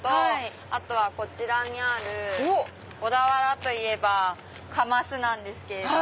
あとはこちらにある小田原といえばカマスなんですけど。